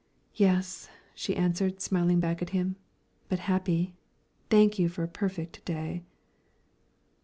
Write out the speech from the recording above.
"Yes," she answered, smiling back at him, "but happy. Thank you for a perfect day."